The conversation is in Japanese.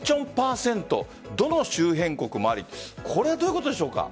％どの周辺国もありこれはどういうことでしょうか？